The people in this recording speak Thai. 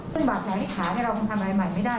ซึ่งบาดแผลที่ขาเราคงทำอะไรใหม่ไม่ได้